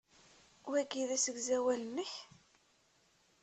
Wagi d asegzawal-nnek?